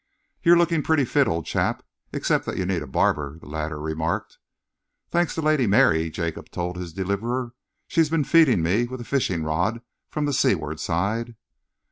"You're looking pretty fit, old chap, except that you need a barber," the latter remarked. "Thanks to Lady Mary," Jacob told his deliverer. "She's been feeding me with a fishing rod from the seaward side."